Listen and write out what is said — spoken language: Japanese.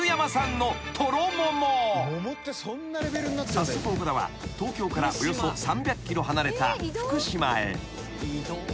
［早速岡田は東京からおよそ３００ｋｍ離れた福島へ］